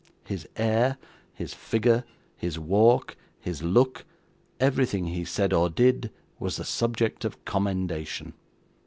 His air, his figure, his walk, his look, everything he said or did, was the subject of commendation.